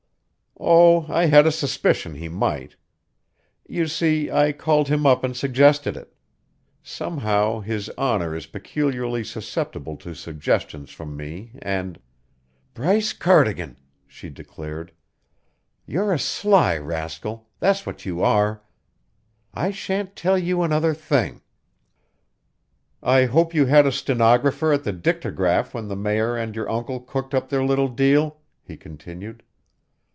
"Oh, I had a suspicion he might. You see, I called him up and suggested it; somehow His Honour is peculiarly susceptible to suggestions from me, and " "Bryce Cardigan," she declared, "you're a sly rascal that's what you are. I shan't tell you another thing." "I hope you had a stenographer at the dictograph when the Mayor and your uncle cooked up their little deal," he continued.